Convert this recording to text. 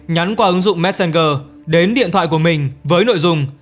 nhắn qua ứng dụng messenger đến điện thoại của mình với nội dung